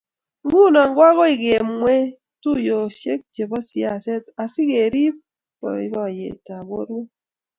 nguno koagoi kemweei tuiyoshek chebo siaset asikeriip boiboiyetab borwek